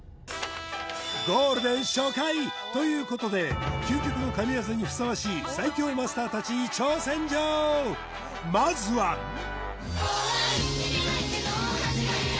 ゴールデン初回ということで究極の神業にふさわしい最強マスター達に挑戦状まずはほら逃げないってのは始まりだ